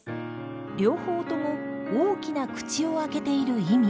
両方とも大きな口を開けている意味。